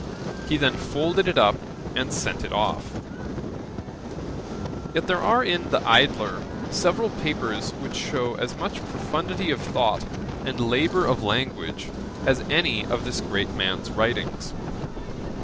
He then folded it up and sent it off. Yet there are in The Idler several papers which shew as much profundity of thought, and labour of language, as any of this great man's writings.